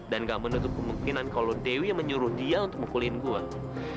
dan gak menutup kemungkinan kalau dewi yang menyuruh dia untuk mukulin saya